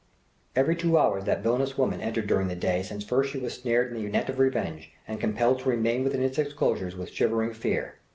Every two hours that villainous woman entered during the day since first she was snared in the net of revenge and compelled to remain within its enclosures of shivering fear.